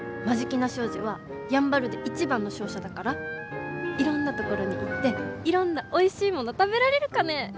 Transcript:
眞境名商事はやんばるで一番の商社だからいろんなところに行っていろんなおいしいもの食べられるかね。